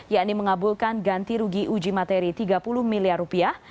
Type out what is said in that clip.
yakni mengabulkan ganti rugi uji materi tiga puluh miliar rupiah